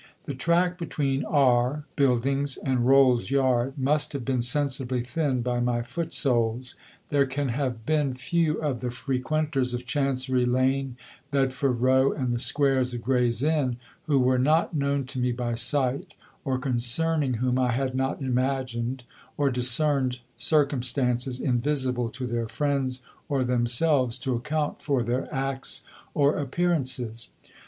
The track between R Buildings and Rolls Yard must have been sensibly thinned by my foot soles; there can have been few of the frequenters of Chancery Lane, Bedford Row and the squares of Gray's Inn who were not known to me by sight or concerning whom I had not imagined (or discerned) circumstances invisible to their friends or themselves to account for their acts or appearances.